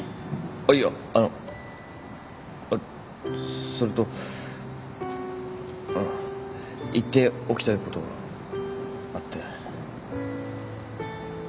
あっいやあのあっそれとうん言っておきたいことがあって。